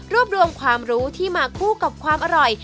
รวมความรู้ที่มาคู่กับความอร่อย